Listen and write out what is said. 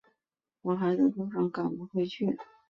我还在路上赶不回去